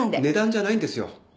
値段じゃないんですよ。